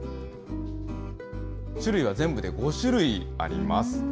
種類は全部で５種類あります。